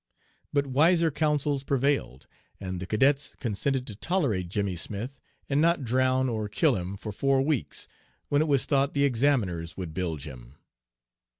But wiser counsels prevailed, and the cadets consented to tolerate Jimmy Smith and not drown or kill him for four weeks, when it was thought the examiners would 'bilge' him.